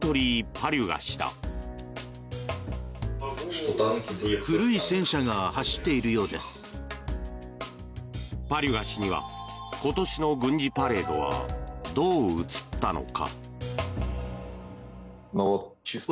パリュガ氏には今年の軍事パレードはどう映ったのか。